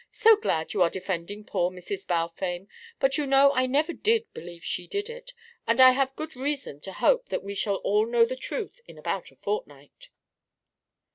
"So glad you are defending poor Mrs. Balfame, but you know I never did believe she did it, and I have good reason to hope that we shall all know the truth in about a fortnight."